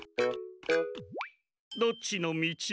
どっちのみち？